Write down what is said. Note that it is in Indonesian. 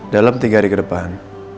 dalam tiga hari ke depan